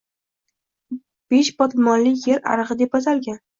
Besh botmonli yer arig‘i deb atalgan.